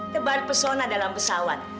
tebar pesona dalam pesawat